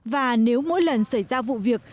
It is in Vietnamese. và nếu mỗi lần xảy ra vụ việc